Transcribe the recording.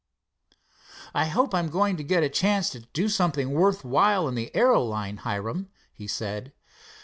"I hope I'm going to get a chance to do something worth while in the aero line, Hiram," he said.